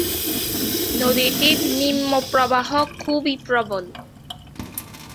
নদীটির নিম্ন প্রবাহ খুবই প্রবল।